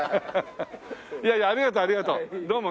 いやいやありがとうありがとう。